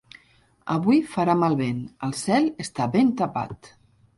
Avui farà mal vent, el cel està ben tapat.